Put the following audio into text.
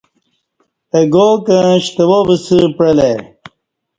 اہ گا کں ݜتوا وسہ پعلہ ای